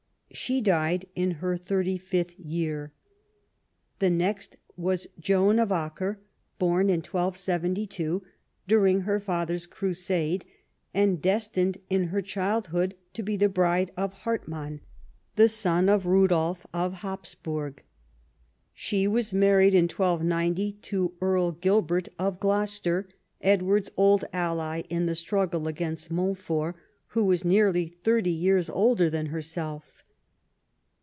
She died in her thirty fifth year. The next was Joan of Acre, born in 1272 during her father's Crusade, and destined in her childhood to be the bride of Hartmann, the son of Rudolf of Hapsburg. She was married in 1290 to Earl Gilbert of Gloucester, Edward's old ally in the struggle against Montfort, who was nearly thirty years older than herself.